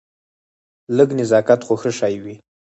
لږ نزاکت خو ښه شی وي.